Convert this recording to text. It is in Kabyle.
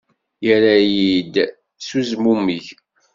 Yerra-iyi-d s uzmummeg.